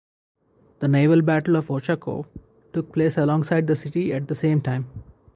The naval Battle of Ochakov took place alongside the city at the same time.